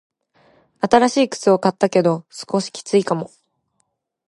新しい靴を買ったけど、少しきついかも。